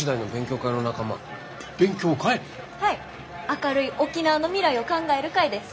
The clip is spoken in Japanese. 「明るい沖縄の未来を考える会」です。